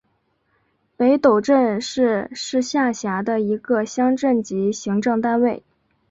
北陡镇是是下辖的一个乡镇级行政单位。